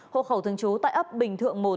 hộ khẩu thường trú tại ấp bình thượng một